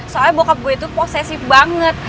soalnya bokap gue itu posesif banget